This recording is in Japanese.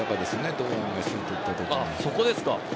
堂安がシュートを打ったとき。